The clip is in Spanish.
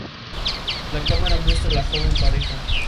La cámara muestra a la joven pareja, muerta sobre su cama.